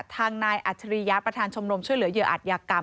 ทางนายอัจฉริยะประธานชมรมช่วยเหลือเหยื่ออัตยากรรม